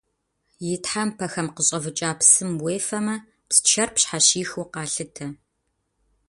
И тхьэмпэхэм къыщӏэвыкӏа псым уефэмэ, псчэр пщхьэщихыу къалъытэ.